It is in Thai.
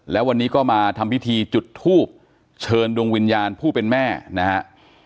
แล้ววันนี้ก็มาทำพิธีจุดทูบเชิญดวงวิญญาณผู้เป็นแม่นะฮะ